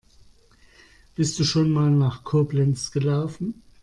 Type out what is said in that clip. Bist du schon mal nach Koblenz gelaufen?